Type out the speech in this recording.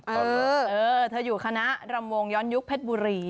เออเธออยู่คณะรำวงย้อนยุคเพชรบุรี